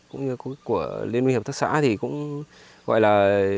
cũng như của liên minh hợp tác xã thì cũng gọi là